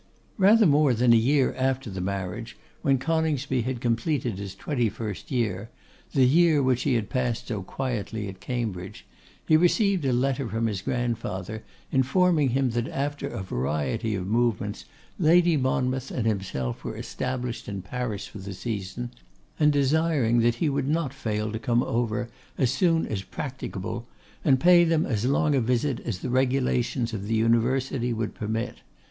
Rather more than a year after the marriage, when Coningsby had completed his twenty first year, the year which he had passed so quietly at Cambridge, he received a letter from his grandfather, informing him that after a variety of movements Lady Monmouth and himself were established in Paris for the season, and desiring that he would not fail to come over as soon as practicable, and pay them as long a visit as the regulations of the University would permit.